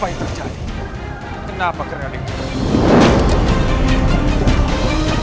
hal itu harus disuruh pemberian rel darwin